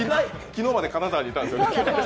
昨日まで金沢にいたんですよね。